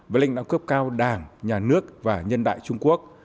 với lãnh đạo cấp cao đảng nhà nước và nhân đại trung quốc